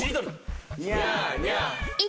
ニャーニャー。